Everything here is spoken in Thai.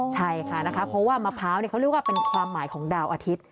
ใช่ค่ะนะคะเพราะว่ามะพร้าวเขาเรียกว่าเป็นความหมายของดาวอาทิตย์